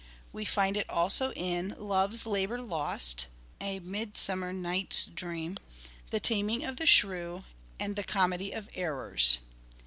We find it also in " Love's Labour's Lost," " A Mid summer Night's Dream," " The Taming of the Shrew," and " The Comedy of Errors."